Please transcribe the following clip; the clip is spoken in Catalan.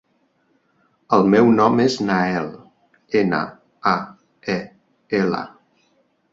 El meu nom és Nael: ena, a, e, ela.